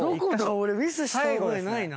俺ミスした覚えないな。